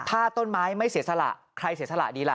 ถ้าต้นไม้ไม่เสียสละใครเสียสละดีล่ะ